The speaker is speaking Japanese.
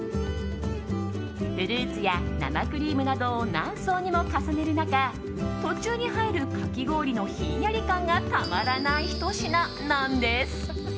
フルーツや生クリームなどを何層にも重ねる中途中に入るかき氷のひんやり感がたまらないひと品なんです。